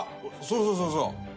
そうそうそうそう！